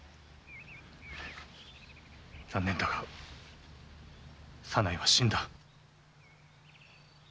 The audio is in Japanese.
残念だが左内は死んだ。